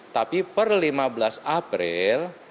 tapi per lima belas april